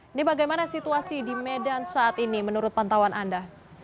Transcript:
ini bagaimana situasi di medan saat ini menurut pantauan anda